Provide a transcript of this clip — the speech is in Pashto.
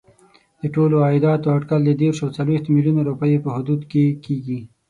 د ټولو عایداتو اټکل د دېرشو او څلوېښتو میلیونو روپیو په حدودو کې کېږي.